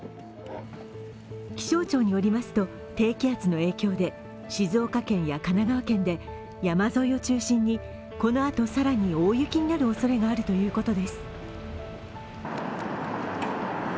気象庁によりますと、低気圧の影響で静岡県や神奈川県で山沿いを中心にこのあと更に大雪になるおそれがあるということです。